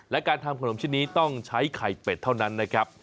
และการทำขนมชิ้นนี้ต้องใช้ไข่เป็ดเท่านั้นนะครับ